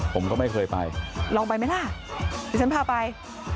ผมก็ไม่เคยไปลองไปไหมล่ะดิฉันพาไป